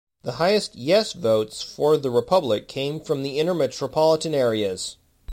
The highest "Yes" votes for the republic came from the inner metropolitan areas.